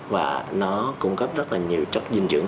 và nó cung cấp rất là nhiều chất dinh dưỡng